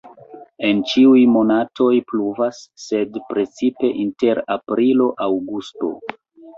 En ĉiuj monatoj pluvas, sed precipe inter aprilo-aŭgusto.